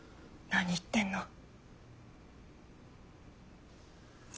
何言ってんの。